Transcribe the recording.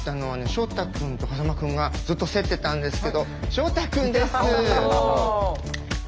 照太くんと風間くんがずっと競ってたんですけど照太くんです。